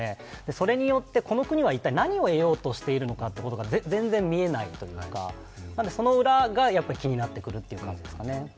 それによって一体、この国は何を得ようとしているのかが全然見えないというか、その裏が気になってくるという感じですね。